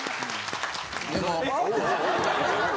でも。